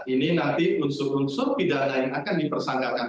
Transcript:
ini nanti unsur unsur pidana yang akan dipersangkakan